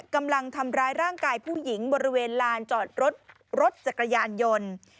กำลังทำร้ายร่างกายผู้หญิงบริเวณลานจอดรถรถจักรยานยนต์